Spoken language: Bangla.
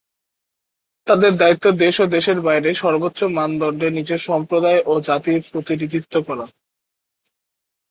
তাদের দায়িত্ব দেশ ও দেশের বাইরে সর্বোচ্চ মানদণ্ডে নিজের সম্প্রদায় ও জাতির প্রতিনিধিত্ব করা।